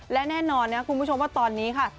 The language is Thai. และแน่นอนนะคุณผู้ชมว่าตอนนี้ค่ะ